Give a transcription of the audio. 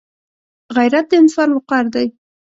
غیرت د انسان وقار دی